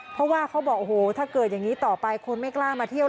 เพราะว่าเขาบอกโอ้โหถ้าเกิดอย่างนี้ต่อไปคนไม่กล้ามาเที่ยว